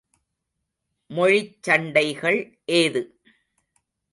மொழிச் சண்டைகள் ஏது?